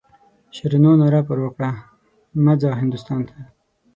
شیرینو ناره پر وکړه مه ځه هندوستان ته.